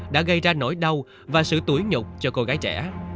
đã gây ra nỗi đau và sự tuổi nhục cho cô gái trẻ